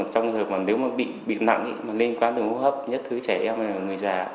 trong thời gian nếu bị nặng liên quan đến hô hấp nhất thứ trẻ em người già